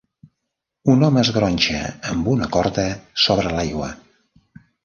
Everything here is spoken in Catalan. Un home es gronxa amb una corda sobre l'aigua.